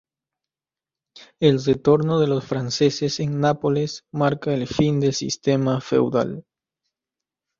El retorno de los franceses en Nápoles marca el fin del sistema feudal.